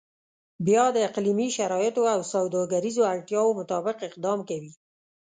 بیا د اقلیمي شرایطو او سوداګریزو اړتیاو مطابق اقدام کوي.